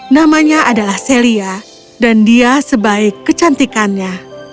namanya adalah celia dan dia sebaik kecantikannya